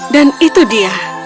dan itu dia